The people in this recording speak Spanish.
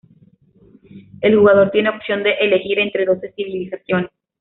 El jugador tiene opción de elegir entre doce civilizaciones.